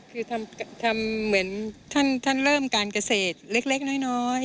คือทำเหมือนท่านเริ่มการเกษตรเล็กน้อย